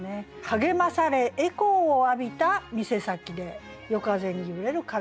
「励まされエコーを浴びた店先で夜風に揺れるカラオケの旗」。